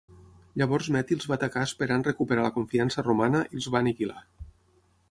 Llavors Meti els va atacar esperant recuperar la confiança romana, i els va aniquilar.